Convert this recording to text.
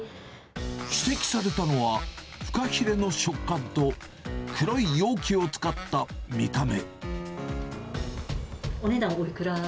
指摘されたのはフカヒレの食感と、黒い容器を使った見た目。